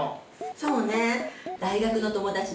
そうね。